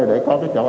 để có cái chỗ ở